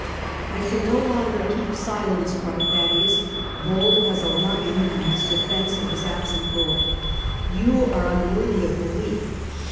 " I can no longer keep silence," cried Thaddaeus, bold as a lion in his defence of his absent Lord. " You are unworthy of belief.